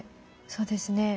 そうですね。